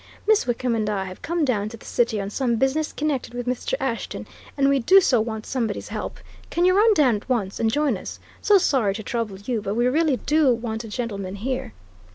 Miss Wickham and I have come down to the City on some business connected with Mr. Ashton, and we do so want somebody's help. Can you run down at once and join us? So sorry to trouble you, but we really do want a gentleman here."